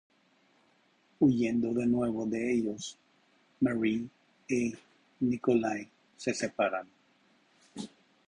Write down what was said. Huyendo de nuevo de ellos, Marie y Nikolai se separan.